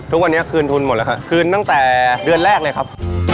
ทุกวันนี้คืนทุนหมดแล้วครับคืนตั้งแต่เดือนแรกเลยครับ